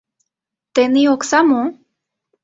Тений окса мо?